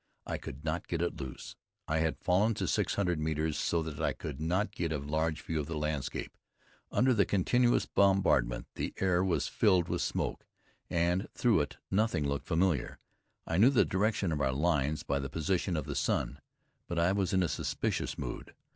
I could not get it loose. I had fallen to six hundred metres, so that I could not get a large view of the landscape. Under the continuous bombardment the air was filled with smoke, and through it nothing looked familiar. I knew the direction of our lines by the position of the sun, but I was in a suspicious mood.